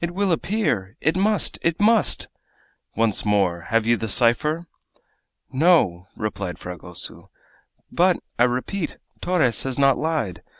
"It will appear it must! it must!" "Once more, have you the cipher?" "No," replied Fragoso; "but, I repeat, Torres has not lied.